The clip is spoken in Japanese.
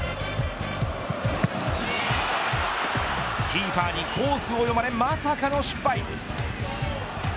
キーパーにコースを読まれまさかの失敗。